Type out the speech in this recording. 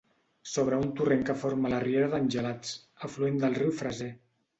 Sobre un torrent que forma la riera d'Angelats, afluent del riu Freser.